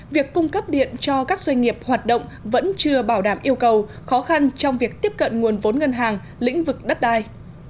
việc cung cấp điện cho các doanh nghiệp hoạt động vẫn chưa bảo đảm yêu cầu khó khăn trong việc tiếp cận nguồn vốn ngân hàng lĩnh vực đất đai